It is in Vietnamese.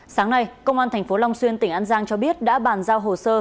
sáng nay công an tp long xuyên tỉnh an giang cho biết đã bàn giao hồ sơ